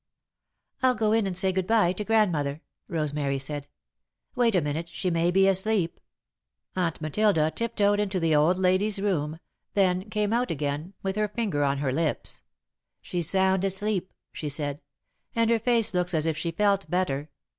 "I'll go in and say good bye to Grandmother," Rosemary said. "Wait a minute. She may be asleep." Aunt Matilda tiptoed into the old lady's room, then came out again, with her finger on her lips. "She's sound asleep," she said, "and her face looks as if she felt better.